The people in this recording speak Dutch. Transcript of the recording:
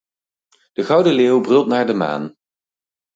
De gouden leeuw brult naar de maan.